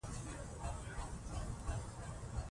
ګلونه چې په کړکۍ کې ایښي دي، ښایسته دي.